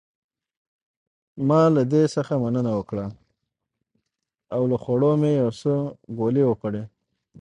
ما له دې څخه مننه وکړ او له خوړو مې یو څو ګولې وخوړې.